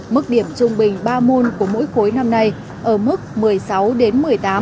mức điểm trung bình ba môn của mỗi khối năm nay ở mức một mươi sáu đến một mươi tám